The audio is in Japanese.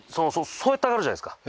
そうやって上がるじゃないですか。